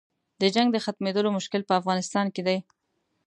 د جنګ د ختمېدلو مشکل په افغانستان کې دی.